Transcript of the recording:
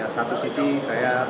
satu sisi saya